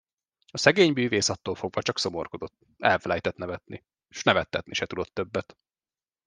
A szegény bűvész attól fogva csak szomorkodott, elfelejtett nevetni, s nevettetni se tudott többet.